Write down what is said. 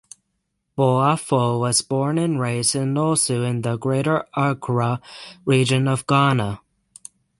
Boafo was born and raised in Osu in the Greater Accra Region of Ghana.